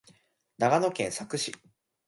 長野県佐久市